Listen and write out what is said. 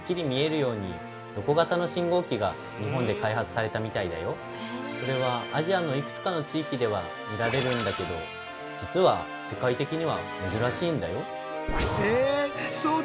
そしてそしてその後程なくしてこれはアジアのいくつかの地域では見られるんだけど実は世界的には珍しいんだよ。